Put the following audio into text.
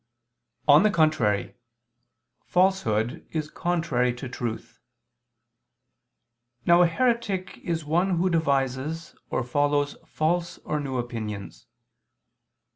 On the contrary, Falsehood is contrary to truth. Now a heretic is one who devises or follows false or new opinions.